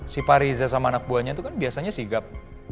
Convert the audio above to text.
si pak reza sama anak buahnya tuh kan biasanya sigap